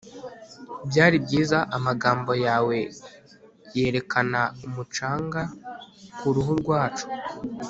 byari byiza amagambo yawe yerekana umucanga kuruhu rwacu